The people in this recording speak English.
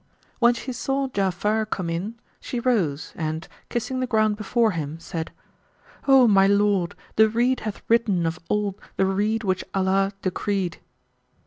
When she saw Ja'afar come in, she rose and, kissing the ground before him, said, "O my lord, the Reed hath written of old the rede which Allah decreed!''